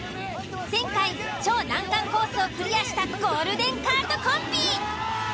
前回超難関コースをクリアしたゴールデンカートコンビ。